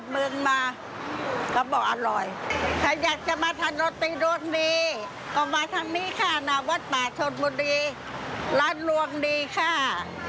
เมื่อกี่โมงถึงกี่โมงคะ